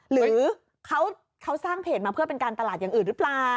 หรือเขาสร้างเพจมาเพื่อเป็นการตลาดอย่างอื่นหรือเปล่า